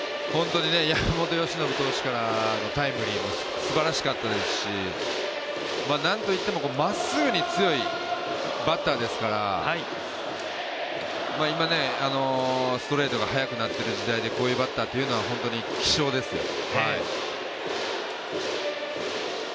山本由伸投手からのタイムリーもすばらしかったですしなんといってもまっすぐに強いバッターですから今、ストレートが速くなっている時代でこういうバッターというのは本当に希少ですよね。